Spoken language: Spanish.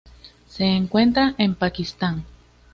Se encuentra en Pakistán.